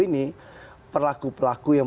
ini pelaku pelaku yang